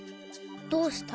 「どうした」？